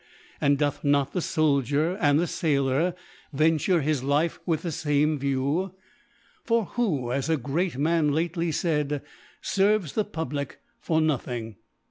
And doth not the Soldier and the Sailor venture his Life with the feme View ? Fcr v^ho, as a Great Mani ktcly faid, ferves the Public for nothing?